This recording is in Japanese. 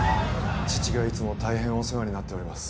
父がいつも大変お世話になっております